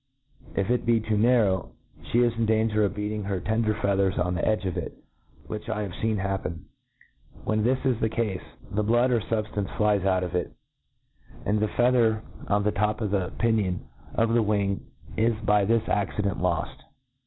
If it be too narrow, fhe is in danger of beating her tender feathers on the edge of it, which 1 have feen happen. When this is the cafe, the blood or fubftance flies out of it, and the fea ther 1 MODERN FAULCONRT. lyy thcr on the top of the pinion of the wing is by this accident loft.